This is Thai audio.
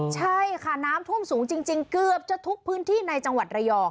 ใช่ค่ะน้ำท่วมสูงจริงเกือบจะทุกพื้นที่ในจังหวัดระยอง